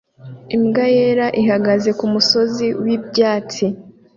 Imbwa yera ihagaze kumusozi wibyatsi